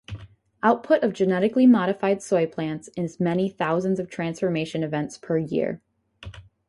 Output of genetically modified soy plants is many thousands of transformation events per year.